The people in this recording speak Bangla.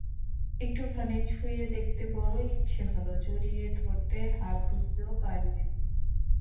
একটুখানি ছুঁয়ে দেখতে বড়ই ইচ্ছে হলো, জড়িয়ে ধরতে হাত দুটিও বাড়িয়ে দিলাম।